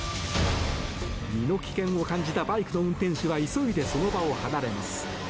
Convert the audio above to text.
身の危険を感じたバイクの運転手は急いでその場を離れます。